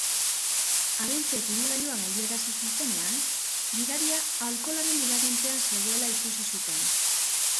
Agenteek ibilgailua geldiarazi zutenean, gidaria alkoholaren eraginpean zegoela ikusi zuten.